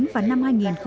và năm hai nghìn hai mươi